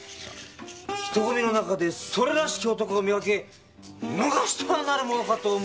人ごみの中でそれらしき男を見掛け逃してはなるものかと思い。